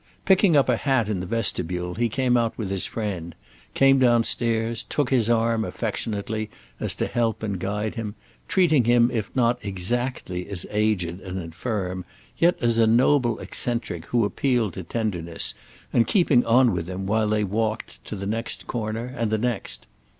Picking up a hat in the vestibule he came out with his friend, came downstairs, took his arm, affectionately, as to help and guide him, treating him if not exactly as aged and infirm, yet as a noble eccentric who appealed to tenderness, and keeping on with him, while they walked, to the next corner and the next.